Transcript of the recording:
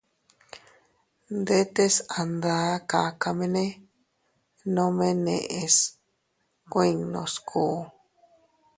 Ndetes a nda kakamene nome neʼes kuinnu sku.